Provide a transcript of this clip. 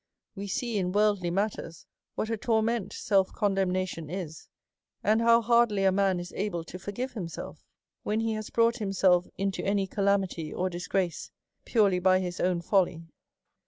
We see, in worldly mattei's, what a torment seif condemnation is ; and how hardly a man is able to forgive himself, when he has brought himself into any calamity or disgrace purely by his own folly.